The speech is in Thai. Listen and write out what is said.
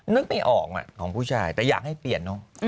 นึกไม่ออกของผู้ชาย